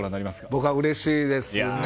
僕はうれしいですね。